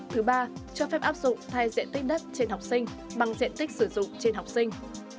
thứ ba cho phép áp dụng thay diện tích đất trên học sinh bằng diện tích sử dụng trên học sinh